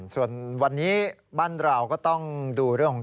ส่วนวันนี้บ้านเราก็ต้องดูเรื่องของ